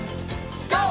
ＧＯ！